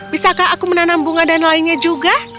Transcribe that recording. bisakah aku menanam bunga dan lainnya juga